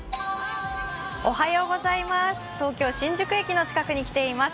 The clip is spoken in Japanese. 東京・新宿駅の近くに来ています。